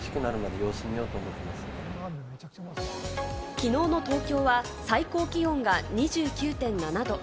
きのうの東京は最高気温が２９．７度。